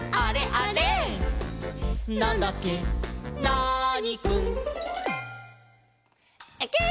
ナーニくん」ウキ！